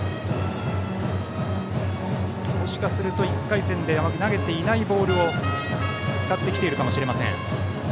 もしかすると１回戦であまり投げていないボールを使ってきているかもしれません。